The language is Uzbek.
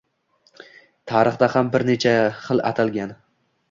Tarixda ham bir necha xil atalgan